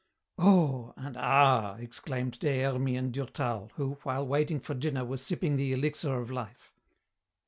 "Oh!" and "Ah!" exclaimed Des Hermies and Durtal, who, while waiting for dinner, were sipping the elixir of life.